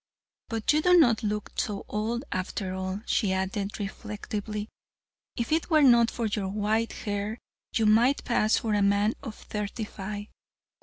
"But you do not look so old, after all," she added reflectively, "if it were not for your white hair you might pass for a man of thirty five.